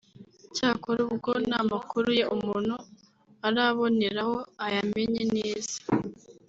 cyakora ubwo n’amakuru ye umuntu araboneraho ayamenye neza